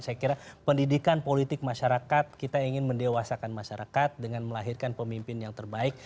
saya kira pendidikan politik masyarakat kita ingin mendewasakan masyarakat dengan melahirkan pemimpin yang terbaik